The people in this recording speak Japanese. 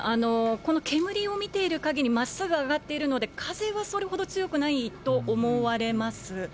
この煙を見ているかぎり、まっすぐ上がっているので、風はそれほど強くないと思われます。